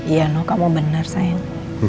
iya no kamu bener sayang